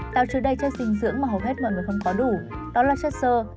tạo chứa đầy chất dinh dưỡng mà hầu hết mọi người không có đủ đó là chất sơ